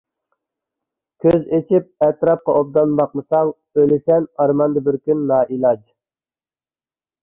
كۆز ئېچىپ ئەتراپقا ئوبدان باقمىساڭ، ئۆلىسەن ئارماندا بىر كۈن نائىلاج.